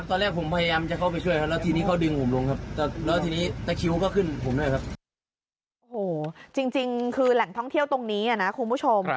โอ้โหจริงคือแหล่งท่องเที่ยวตรงนี้นะคุณผู้ชม